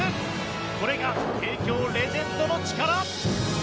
これが帝京レジェンドの力。